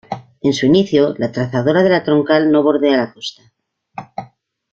En su inicio, la trazado de la troncal no bordea la costa.